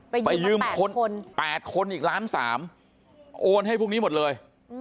ไปลืมคน๘คนอีกล้านสามโอนให้พวกนี้หมดเลย